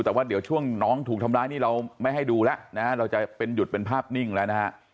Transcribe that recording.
แต่ว่าเดี๋ยวช่วงน้องถูกทำร้ายนี่เราไม่ให้ดูแล้วนะฮะเราจะเป็นหยุดเป็นภาพนิ่งแล้วนะฮะ